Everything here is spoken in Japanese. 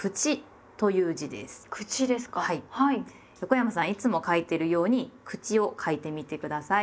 横山さんいつも書いてるように「口」を書いてみて下さい。